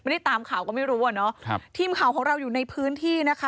ทีมข่าวของเราอยู่ในพื้นที่นะคะ